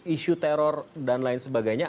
isu teror dan lain sebagainya